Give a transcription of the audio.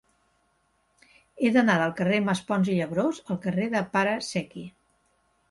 He d'anar del carrer de Maspons i Labrós al carrer del Pare Secchi.